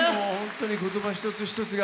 言葉一つ一つが。